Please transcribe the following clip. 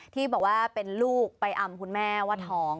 ที่บอกว่าเป็นลูกไปอำคุณแม่ว่าท้อง